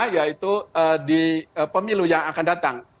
yaitu di pemilu yang akan datang